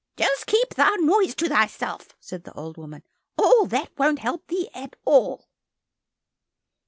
"Just keep thy noise to thyself," said the old woman, "all that won't help thee at all."